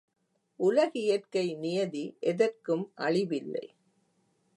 உலகியற்கை நியதி எதற்கும் அழிவில்லை.